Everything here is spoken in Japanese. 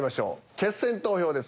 決選投票です。